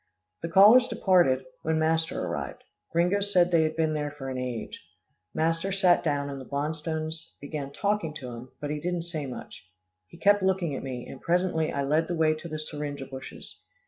The callers departed, when master arrived. Gringo said they had been there for an age. Master sat down, and the Bonstones began talking to him, but he didn't say much. He kept looking at me, and presently I led the way to the syringa bushes.